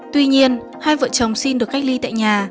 tuy nhiên hai vợ chồng xin được cách ly tại nhà